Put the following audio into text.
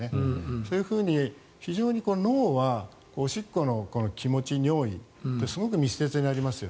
そういうふうに非常に脳はおしっこの気持ち、尿意とすごく密接にあります。